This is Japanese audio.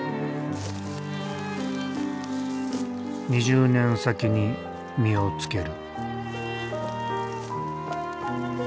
２０年先に実をつける。